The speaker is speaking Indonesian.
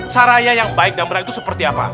caranya yang baik dan berat itu seperti apa